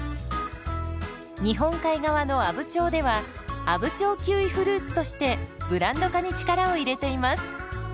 日本海側の阿武町では「阿武町キウイフルーツ」としてブランド化に力を入れています。